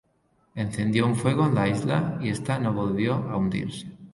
Encendió un fuego en la isla y esta no volvió a hundirse.